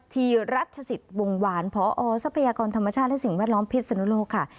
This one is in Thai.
ทรัพยากรธรรมชาติและสิ่งแวดล้อมพิษสนุนโลกค่ะ